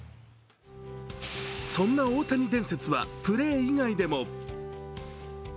そんな大谷伝説はプレー以外でも。